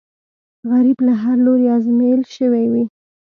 غریب له هرې لورې ازمېیل شوی وي